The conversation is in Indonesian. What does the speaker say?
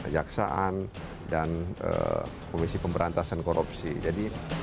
jaksaan dan komisi pemberantasan korupsi jadi